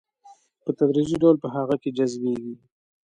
په تدريجي ډول په هغه کې جذبيږي.